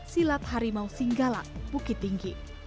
silat harimau singgalang bukit tinggi